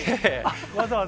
わざわざ。